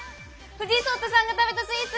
藤井聡太さんが食べたスイーツ！